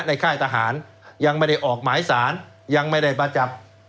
ค่ายทหารยังไม่ได้ออกหมายสารยังไม่ได้มาจับ